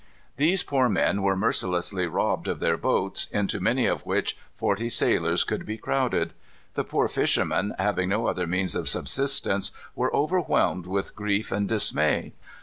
These poor men were mercilessly robbed of their boats, into many of which forty sailors could be crowded. The poor fishermen, having no other means of subsistence, were overwhelmed with grief and dismay.